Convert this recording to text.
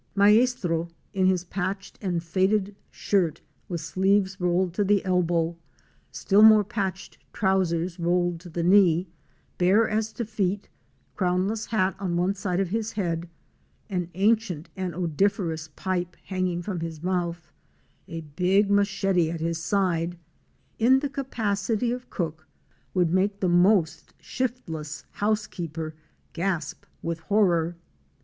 Maestro in his patched and faded shirt, with sleeves rolled to the elbow, still more patched trousers rolled to the knee, bare as to feet, a crownless hat on one side of his head, an ancient and odoriferous pipe hanging from his mouth, a big machete at his side, in the capacity of cook would make the most shiftless housekeeper gasp with horror.